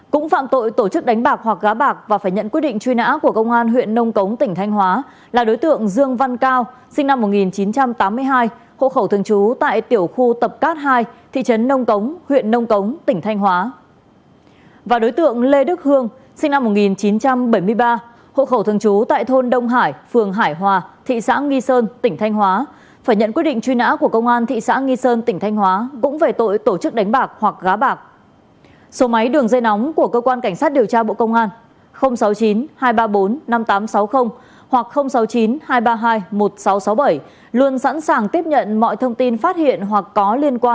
cũng phạm tội tổ chức đánh bạc hoặc gá bạc và phải nhận quyết định truy nã của công an huyện nông cống tỉnh thanh hóa là đối tượng dương văn cao sinh năm một nghìn chín trăm tám mươi hai hộ khẩu thường trú tại tiểu khu tập cát hai thị trấn nông cống huyện nông cống tỉnh thanh hóa